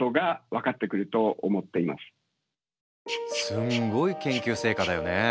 すんごい研究成果だよね。